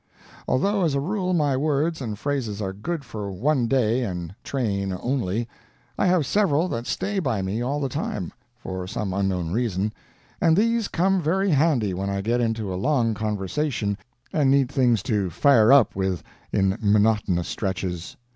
Although as a rule my words and phrases are good for one day and train only, I have several that stay by me all the time, for some unknown reason, and these come very handy when I get into a long conversation and need things to fire up with in monotonous stretches.